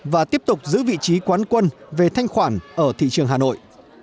và tiếp tục giữ vị trí quán quân về thanh khoản ở thị trường hà nội